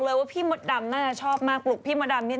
แล้วหนิสัยใจคอก็ยังเด็ก